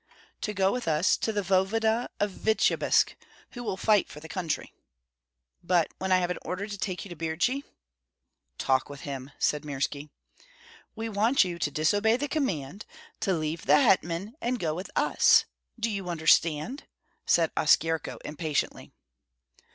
"To go with us to the voevoda of Vityebsk, who will fight for the country." "But when I have an order to take you to Birji?" "Talk with him," said Mirski. "We want you to disobey the command, to leave the hetman, and go with us; do you understand?" said Oskyerko, impatiently.